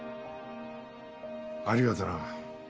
ありがとうな。